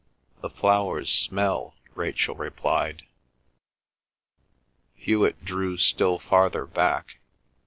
The flowers smell," Rachel replied. Hewet drew still farther back.